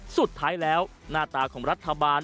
สุดท้ายแล้วหน้าตาของรัฐบาล